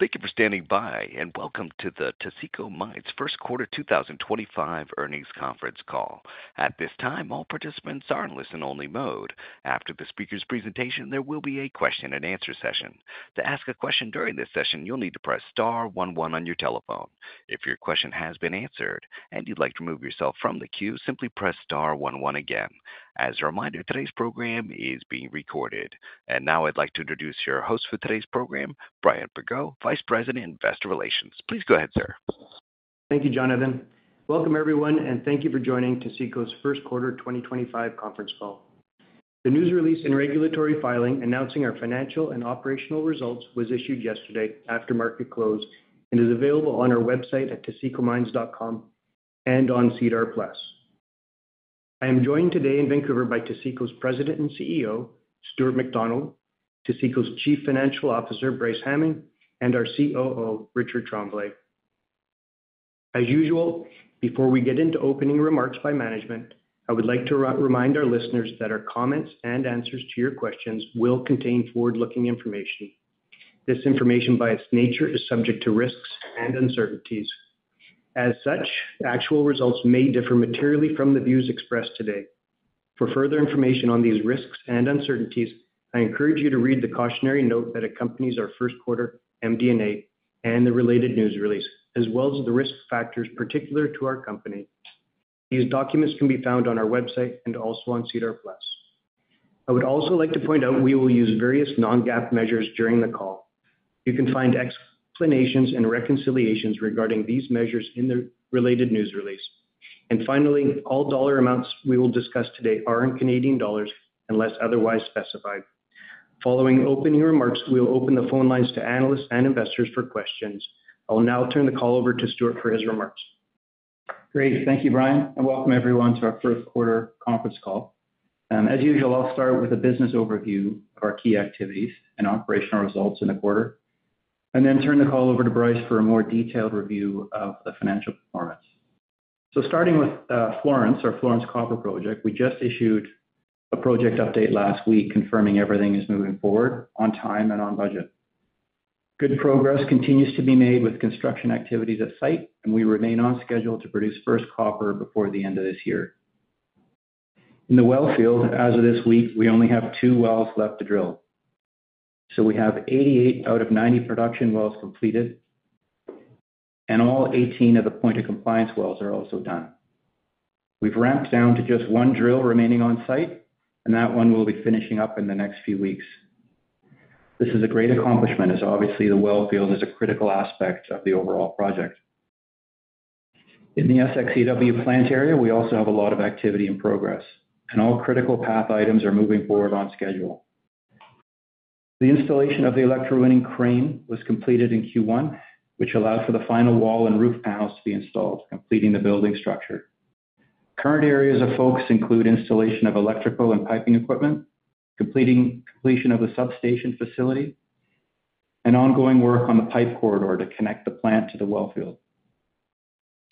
Thank you for standing by, and welcome to the Taseko Mines First Quarter 2025 Earnings Conference Call. At this time, all participants are in listen-only mode. After the speaker's presentation, there will be a question-and-answer session. To ask a question during this session, you'll need to press star 11 on your telephone. If your question has been answered and you'd like to remove yourself from the queue, simply press star one one again. As a reminder, today's program is being recorded. Now I'd like to introduce your host for today's program, Brian Bergot, Vice President, Investor Relations. Please go ahead, sir. Thank you, Jonathan. Welcome, everyone, and thank you for joining Taseko's First Quarter 2025 Conference Call. The news release and regulatory filing announcing our financial and operational results was issued yesterday after market close and is available on our website at tasekomines.com and on SEDAR+. I am joined today in Vancouver by Taseko's President and CEO, Stuart McDonald, Taseko's Chief Financial Officer, Bryce Hamming, and our COO, Richard Tremblay. As usual, before we get into opening remarks by management, I would like to remind our listeners that our comments and answers to your questions will contain forward-looking information. This information, by its nature, is subject to risks and uncertainties. As such, actual results may differ materially from the views expressed today. For further information on these risks and uncertainties, I encourage you to read the cautionary note that accompanies our first quarter MD&A and the related news release, as well as the risk factors particular to our company. These documents can be found on our website and also on SEDAR+. I would also like to point out we will use various non-GAAP measures during the call. You can find explanations and reconciliations regarding these measures in the related news release. Finally, all dollar amounts we will discuss today are in CAD unless otherwise specified. Following opening remarks, we will open the phone lines to analysts and investors for questions. I'll now turn the call over to Stuart for his remarks. Great. Thank you, Brian. Welcome, everyone, to our First Quarter Conference Call. As usual, I'll start with a business overview of our key activities and operational results in the quarter, and then turn the call over to Bryce for a more detailed review of the financial performance. Starting with Florence, our Florence Copper project, we just issued a project update last week confirming everything is moving forward on time and on budget. Good progress continues to be made with construction activities at site, and we remain on schedule to produce first copper before the end of this year. In the wellfield, as of this week, we only have two wells left to drill. We have 88 out of 90 production wells completed, and all 18 of the point-of-compliance wells are also done. We've ramped down to just one drill remaining on site, and that one will be finishing up in the next few weeks. This is a great accomplishment, as obviously the wellfield is a critical aspect of the overall project. In the SX-EW plant area, we also have a lot of activity in progress, and all critical path items are moving forward on schedule. The installation of the electrowinning crane was completed in Q1, which allowed for the final wall and roof panels to be installed, completing the building structure. Current areas of focus include installation of electrical and piping equipment, completion of the substation facility, and ongoing work on the pipe corridor to connect the plant to the wellfield.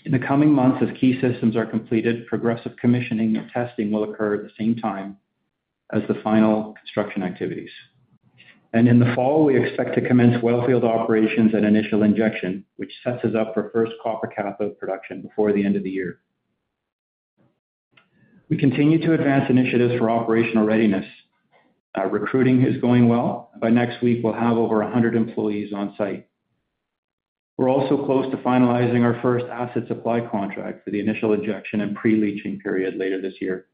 In the coming months, as key systems are completed, progressive commissioning and testing will occur at the same time as the final construction activities. In the fall, we expect to commence wellfield operations and initial injection, which sets us up for first copper cathode production before the end of the year. We continue to advance initiatives for operational readiness. Recruiting is going well. By next week, we will have over 100 employees on site. We are also close to finalizing our first acid supply contract for the initial injection and pre-leaching period later this year.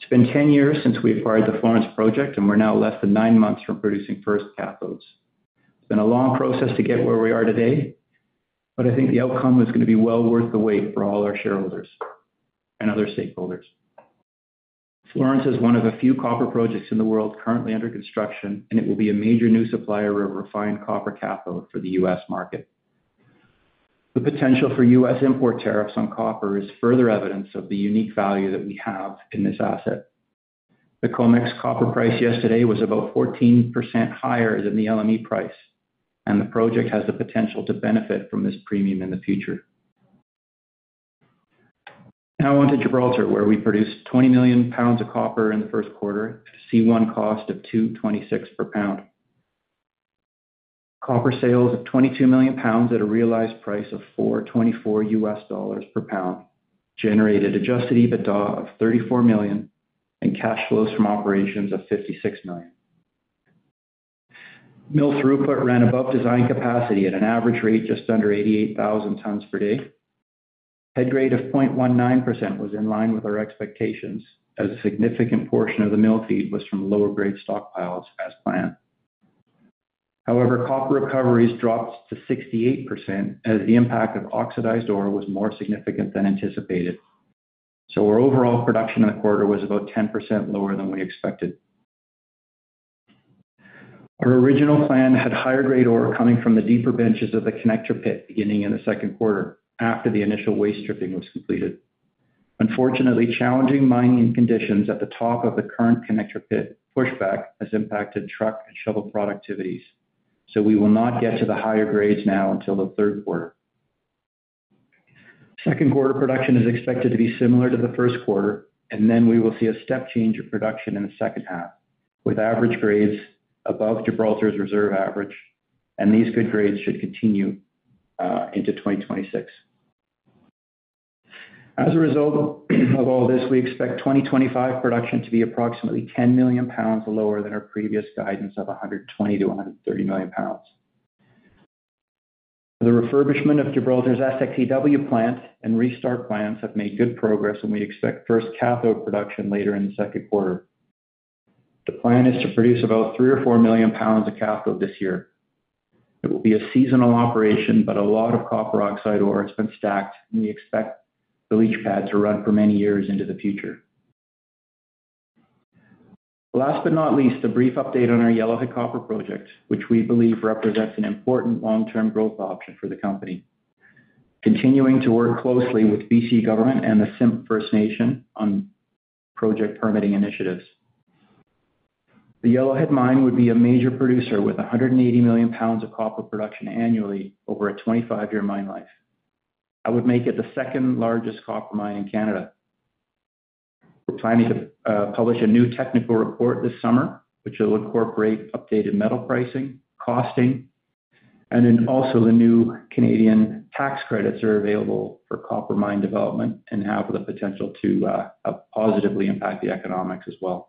It has been 10 years since we acquired the Florence project, and we are now less than nine months from producing first cathodes. It has been a long process to get where we are today, but I think the outcome is going to be well worth the wait for all our shareholders and other stakeholders. Florence is one of a few copper projects in the world currently under construction, and it will be a major new supplier of refined copper cathode for the U.S. market. The potential for U.S. import tariffs on copper is further evidence of the unique value that we have in this asset. The COMEX copper price yesterday was about 14% higher than the LME price, and the project has the potential to benefit from this premium in the future. Now on to Gibraltar, where we produced 20 million pounds of copper in the first quarter at a C1 cost of $2.26 per pound. Copper sales of 22 million pounds at a realized price of $4.24 per pound generated adjusted EBITDA of 34 million and cash flows from operations of 56 million. Mill throughput ran above design capacity at an average rate just under 88,000 tons per day. Head grade of 0.19% was in line with our expectations as a significant portion of the mill feed was from lower grade stockpiles as planned. However, copper recoveries dropped to 68% as the impact of oxidized ore was more significant than anticipated. Our overall production in the quarter was about 10% lower than we expected. Our original plan had higher grade ore coming from the deeper benches of the Connector Pit beginning in the second quarter after the initial waste stripping was completed. Unfortunately, challenging mining conditions at the top of the current Connector Pit pushback has impacted truck and shovel productivities. We will not get to the higher grades now until the third quarter. Second quarter production is expected to be similar to the first quarter, and we will see a step change of production in the second half with average grades above Gibraltar's reserve average, and these good grades should continue into 2026. As a result of all this, we expect 2025 production to be approximately 10 million pounds lower than our previous guidance of 120-130 million pounds. The refurbishment of Gibraltar's SX-EW plant and restart plans have made good progress, and we expect first cathode production later in the second quarter. The plan is to produce about 3 or 4 million pounds of cathode this year. It will be a seasonal operation, but a lot of copper oxide ore has been stacked, and we expect the leach pad to run for many years into the future. Last but not least, a brief update on our Yellowhead Copper project, which we believe represents an important long-term growth option for the company, continuing to work closely with BC Government and the Simpcw First Nation on project permitting initiatives. The Yellowhead mine would be a major producer with 180 million pounds of copper production annually over a 25-year mine life. That would make it the second largest copper mine in Canada. We're planning to publish a new technical report this summer, which will incorporate updated metal pricing, costing, and then also the new Canadian tax credits that are available for copper mine development and have the potential to positively impact the economics as well.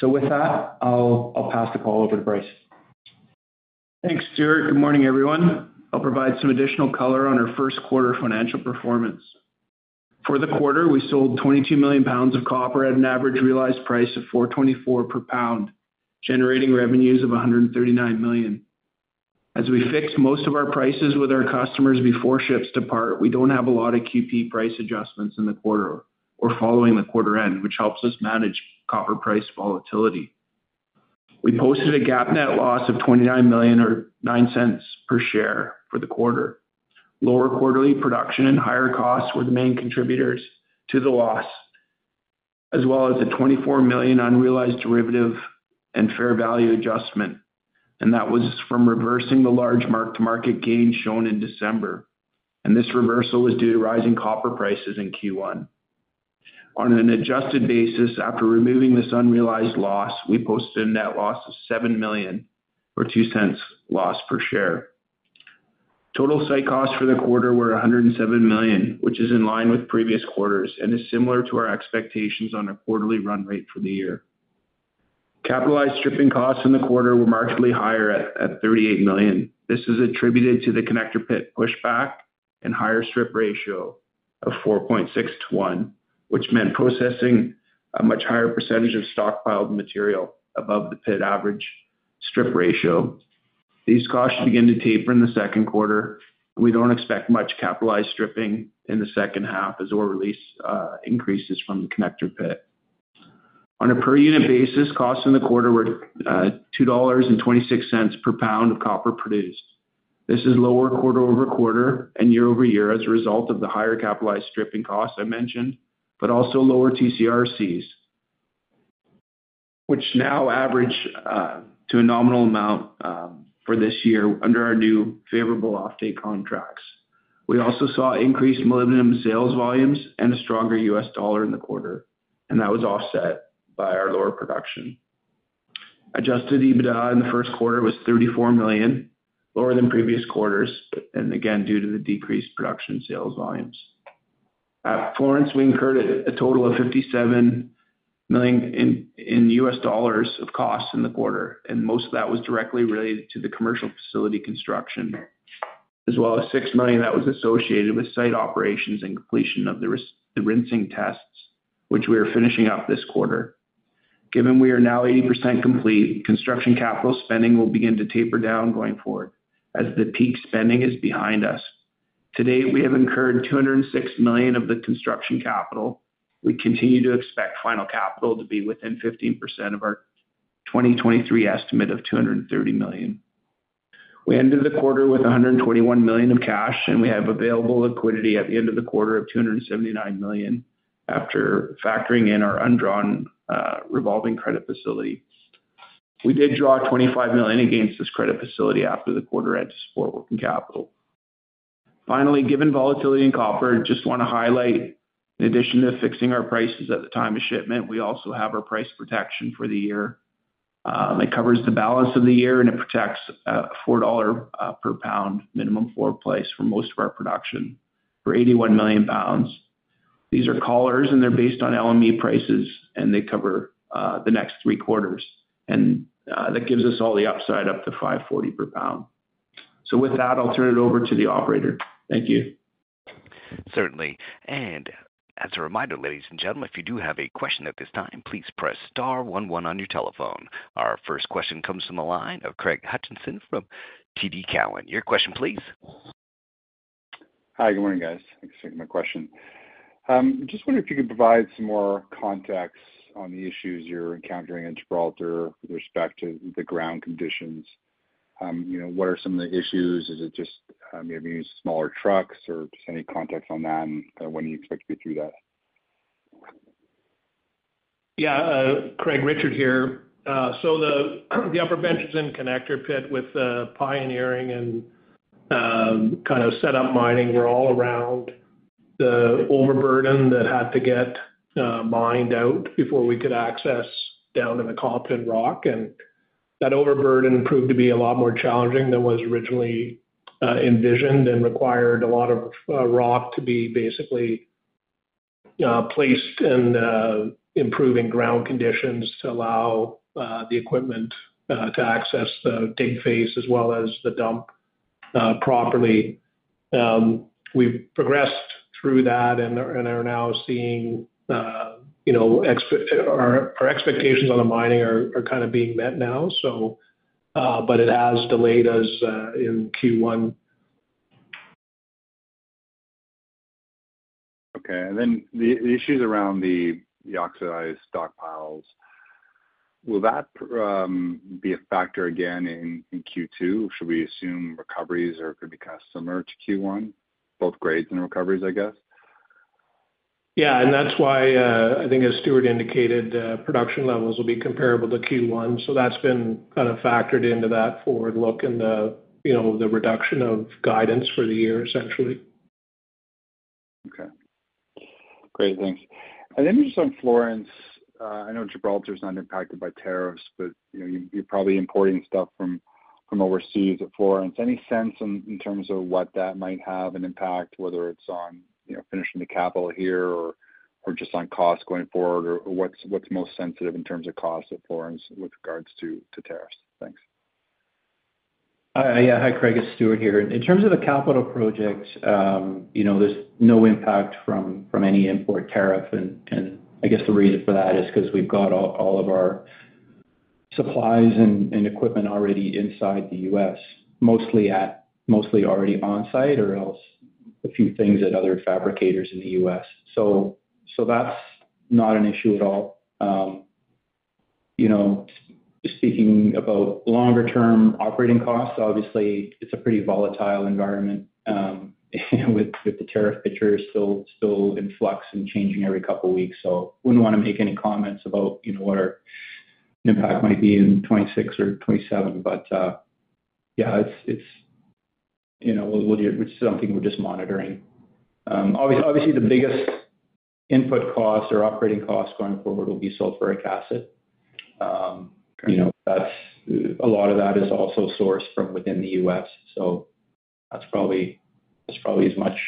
With that, I'll pass the call over to Bryce. Thanks, Stuart. Good morning, everyone. I'll provide some additional color on our first quarter financial performance. For the quarter, we sold 22 million pounds of copper at an average realized price of $4.24 per pound, generating revenues of 139 million. As we fix most of our prices with our customers before ships depart, we do not have a lot of QP price adjustments in the quarter or following the quarter end, which helps us manage copper price volatility. We posted a GAAP net loss of 29 million or $0.09 per share for the quarter. Lower quarterly production and higher costs were the main contributors to the loss, as well as a 24 million unrealized derivative and fair value adjustment. That was from reversing the large mark-to-market gain shown in December. This reversal was due to rising copper prices in Q1. On an adjusted basis, after removing this unrealized loss, we posted a net loss of $7 million or $0.02 loss per share. Total site costs for the quarter were $107 million, which is in line with previous quarters and is similar to our expectations on a quarterly run rate for the year. Capitalized stripping costs in the quarter were markedly higher at $38 million. This is attributed to the Connector Pit pushback and higher strip ratio of 4.6-1, which meant processing a much higher percentage of stockpiled material above the pit average strip ratio. These costs began to taper in the second quarter, and we do not expect much capitalized stripping in the second half as ore release increases from the Connector Pit. On a per-unit basis, costs in the quarter were $2.26 per pound of copper produced. This is lower quarter over quarter and year over year as a result of the higher capitalized stripping costs I mentioned, but also lower TCRCs, which now average to a nominal amount for this year under our new favorable offtake contracts. We also saw increased mill sales volumes and a stronger U.S. dollar in the quarter, and that was offset by our lower production. Adjusted EBITDA in the first quarter was $34 million, lower than previous quarters, and again, due to the decreased production sales volumes. At Florence, we incurred a total of $57 million in U.S. dollars of costs in the quarter, and most of that was directly related to the commercial facility construction, as well as $6 million that was associated with site operations and completion of the rinsing tests, which we are finishing up this quarter. Given we are now 80% complete, construction capital spending will begin to taper down going forward as the peak spending is behind us. Today, we have incurred 206 million of the construction capital. We continue to expect final capital to be within 15% of our 2023 estimate of 230 million. We ended the quarter with 121 million of cash, and we have available liquidity at the end of the quarter of 279 million after factoring in our undrawn revolving credit facility. We did draw 25 million against this credit facility after the quarter end to support working capital. Finally, given volatility in copper, I just want to highlight, in addition to fixing our prices at the time of shipment, we also have our price protection for the year. It covers the balance of the year, and it protects a $4 per pound minimum forward price for most of our production for 81 million pounds. These are collars, and they're based on LME prices, and they cover the next three quarters. That gives us all the upside up to $5.40 per pound. With that, I'll turn it over to the operator. Thank you. Certainly. As a reminder, ladies and gentlemen, if you do have a question at this time, please press star one one on your telephone. Our first question comes from the line of Craig Hutchison from TD Cowen. Your question, please. Hi, good morning, guys. Thanks for taking my question. Just wondering if you could provide some more context on the issues you're encountering in Gibraltar with respect to the ground conditions. What are some of the issues? Is it just maybe smaller trucks or just any context on that? When do you expect to be through that? Yeah, Craig, Richard here. The upper benches and Connector Pit with the pioneering and kind of setup mining were all around the overburden that had to get mined out before we could access down to the ore and rock. That overburden proved to be a lot more challenging than was originally envisioned and required a lot of rock to be basically placed and improving ground conditions to allow the equipment to access the dig phase as well as the dump properly. We've progressed through that and are now seeing our expectations on the mining are kind of being met now, but it has delayed us in Q1. Okay. The issues around the oxidized stockpiles, will that be a factor again in Q2? Should we assume recoveries are going to be kind of similar to Q1, both grades and recoveries, I guess? Yeah. That is why I think, as Stuart indicated, production levels will be comparable to Q1. That has been kind of factored into that forward look and the reduction of guidance for the year, essentially. Okay. Great. Thanks. Just on Florence, I know Gibraltar is not impacted by tariffs, but you're probably importing stuff from overseas at Florence. Any sense in terms of what that might have an impact, whether it's on finishing the capital here or just on costs going forward, or what's most sensitive in terms of costs at Florence with regards to tariffs? Thanks. Yeah. Hi, Craig. It's Stuart here. In terms of the capital projects, there's no impact from any import tariff. The reason for that is because we've got all of our supplies and equipment already inside the U.S., mostly already on-site or else a few things at other fabricators in the U.S. That's not an issue at all. Speaking about longer-term operating costs, obviously, it's a pretty volatile environment with the tariff picture still in flux and changing every couple of weeks. I wouldn't want to make any comments about what our impact might be in 2026 or 2027. Yeah, it's something we're just monitoring. Obviously, the biggest input costs or operating costs going forward will be sulfuric acid. A lot of that is also sourced from within the U.S. That's probably as much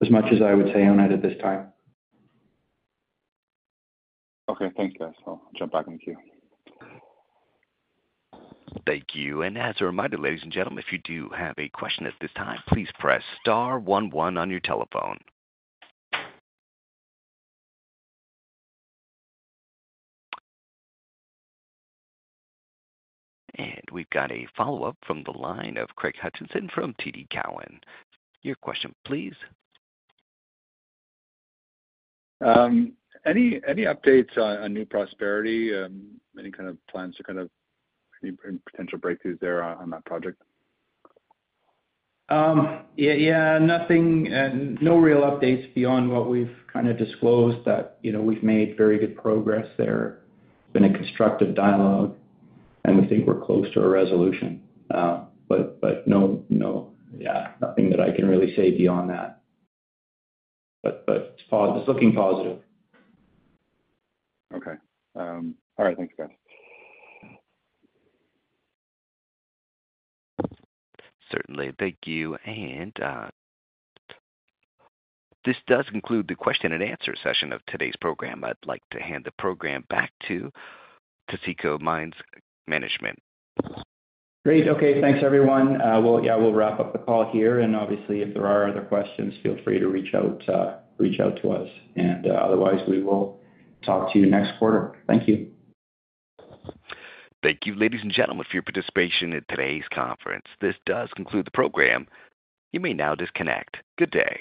as I would say on it at this time. Okay. Thanks, guys. I'll jump back into Q. Thank you. As a reminder, ladies and gentlemen, if you do have a question at this time, please press star one one on your telephone. We have a follow-up from the line of Craig Hutchison from TD Cowen. Your question, please. Any updates on New Prosperity, any kind of plans to kind of any potential breakthroughs there on that project? Yeah, no real updates beyond what we've kind of disclosed that we've made very good progress there. It's been a constructive dialogue, and we think we're close to a resolution. No, yeah, nothing that I can really say beyond that. It's looking positive. Okay. All right. Thanks, guys. Certainly. Thank you. This does conclude the question and answer session of today's program. I'd like to hand the program back to Taseko Mines Management. Great. Okay. Thanks, everyone. Yeah, we'll wrap up the call here. Obviously, if there are other questions, feel free to reach out to us. Otherwise, we will talk to you next quarter. Thank you. Thank you, ladies and gentlemen, for your participation in today's conference. This does conclude the program. You may now disconnect. Good day.